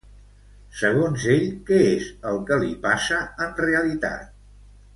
Segons ell, què és el que li passa en realitat?